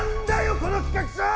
この企画書！